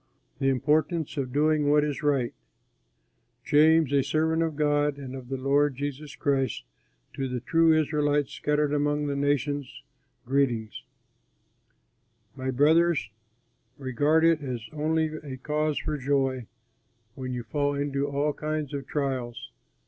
THE IMPORTANCE OF DOING WHAT IS RIGHT James, a servant of God and of the Lord Jesus Christ, to the true Israelites scattered among the nations, greeting. My brothers, regard it as only a cause for joy, when you fall into all kinds of trials.